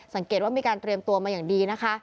สังเกตว่ามีการเตรียมตัวมาอย่างดีนะคะ